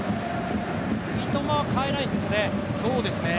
三笘は代えないんですね。